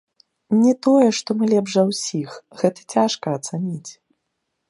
Не тое, што мы лепш за ўсіх, гэта цяжка ацаніць.